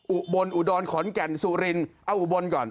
อุบลอุดรขอนแก่นสุรินเอาอุบลก่อน